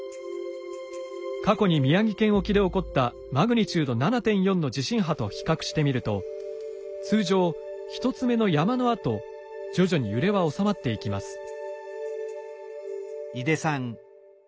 過去に宮城県沖で起こったマグニチュード７．４の地震波と比較してみると通常１つ目の山のあと徐々に揺れは収まっていきます。